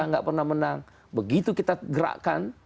nggak pernah menang begitu kita gerakkan